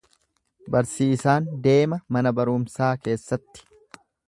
Barsiisaan deema mana barumsaa keessatti.